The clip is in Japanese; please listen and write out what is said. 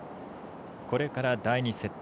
これから第２セット。